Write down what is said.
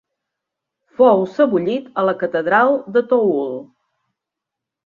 Fou sebollit a la catedral de Toul.